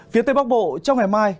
phía tây bắc bộ trong ngày mai